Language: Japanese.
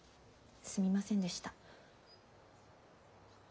すみませんでした。